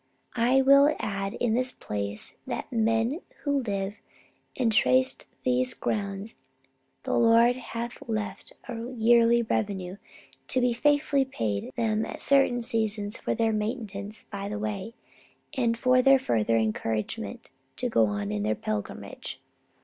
I will add in this place that to the men who live and trace these grounds the Lord hath left a yearly revenue to be faithfully paid them at certain seasons for their maintenance by the way, and for their further encouragement to go on in their pilgrimage.